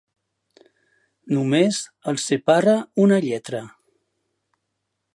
Només els separa una lletra.